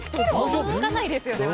想像つかないですよね。